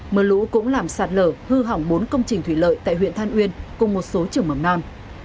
mưa lũ cũng làm sạt lở hư hỏng bốn công trình thủy lợi tại huyện than uyên cùng một số trường mầm non